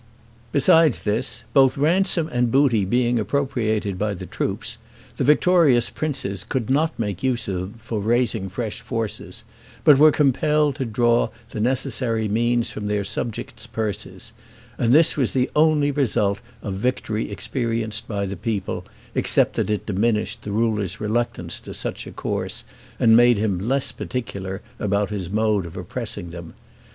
Besides this, both ransom and booty being appropriated by the troops, the victorious princes could not make use of them for raising fresh forces, but were compelled to draw the necessary means from their subjects' purses, and this was the only result of victory experienced by the people, except that it diminished the ruler's reluctance to such a course, and made him less particular about his mode of oppressing them.